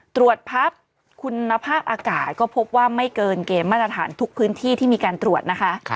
ตรวจพับคุณภาพอากาศก็พบว่าไม่เกินเกณฑ์มาตรฐานทุกพื้นที่ที่มีการตรวจนะคะ